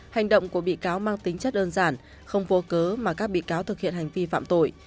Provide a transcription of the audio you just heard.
hành động của bị cáo mang tính chất đơn giản không vô cớ mà các bị cáo thực hiện hành vi phạm tội